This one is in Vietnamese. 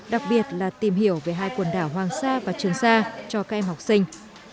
đặc biệt là tìm hiểu về hai quần đảo hoàng xa và trường xa cho các em học sinh